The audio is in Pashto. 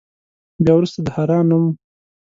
بیا وروسته د حرا نوم.